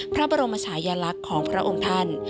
พระบรมชายลักษณ์ของพระองค์ท่าน